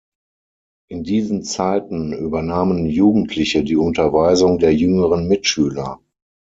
In diesen Zeiten übernahmen Jugendliche die Unterweisung der jüngeren Mitschüler.